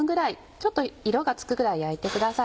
ちょっと色がつくぐらい焼いてください。